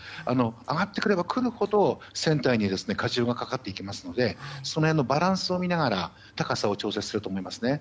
上がってくればくるほど船体に過重がかかっていきますのでその辺のバランスを見ながら高さを調整すると思いますね。